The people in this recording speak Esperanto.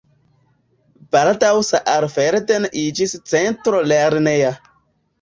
Baldaŭ Saalfelden iĝis centro lerneja.